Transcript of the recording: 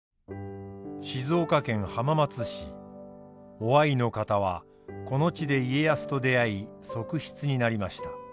於愛の方はこの地で家康と出会い側室になりました。